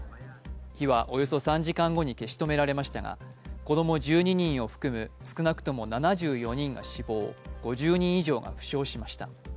火はおよそ３時間後に消し止められましたが子供１２人を含む少なくとも７４人が死亡、５０人以上が負傷しました。